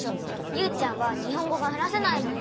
ユウちゃんはにほんごがはなせないもん。